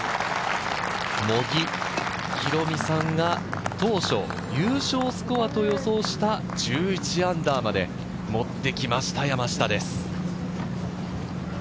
茂木宏美さんが当初、優勝スコアと予想した−１１まで持ってきました、山下です。